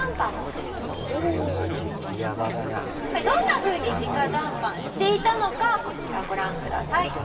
どんな風に直談判していたのかこちらご覧ください。